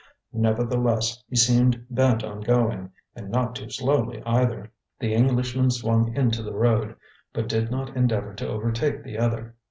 Nevertheless, he seemed bent on going, and not too slowly, either. The Englishman swung into the road, but did not endeavor to overtake the other.